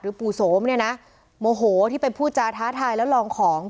หรือปู่สมเนี่ยนะโมโหที่เป็นผู้จาท้าทายแล้วลองของ